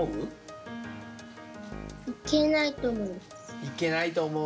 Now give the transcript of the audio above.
行けないと思う。